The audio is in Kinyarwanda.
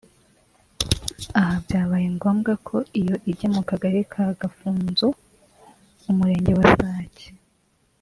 Aha byabaye ngombwa ko iyo ijya mu kagari ka Gafunzo umurenge wa Sake